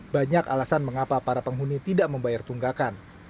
banyak alasan mengapa para penghuni tidak membayar tunggakan